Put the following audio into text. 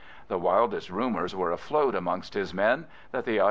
The wildest rumours were afloat amongst his men: that the I.